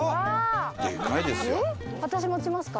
私持ちますか？